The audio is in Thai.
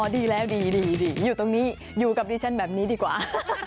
ดีแล้วดีอยู่ตรงนี้อยู่กับดิฉันแบบนี้ดีกว่า